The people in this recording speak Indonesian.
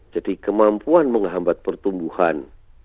jadi kemampuan menghambat pertumbuhan